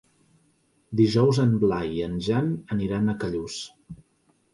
Dijous en Blai i en Jan aniran a Callús.